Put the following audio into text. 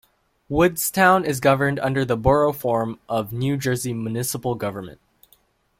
Woodstown is governed under the Borough form of New Jersey municipal government.